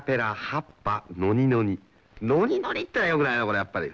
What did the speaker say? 「のにのに」っていうのはよくないなこれやっぱり。